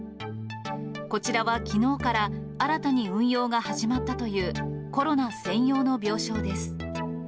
こちらはきのうから、新たに運用が始まったという、コロナ専用の病床です。